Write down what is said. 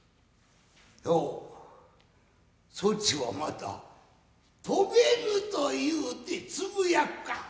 おうそちはまた飛べぬというてつぶやくか。